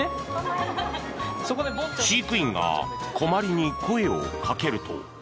飼育員がこまりに声をかけると。